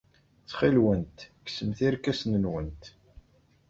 Ttxil-went, kksemt irkasen-nwent.